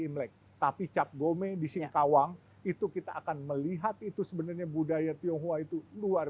imlek tapi cap gome di singkawang itu kita akan melihat itu sebenarnya budaya tionghoa itu luar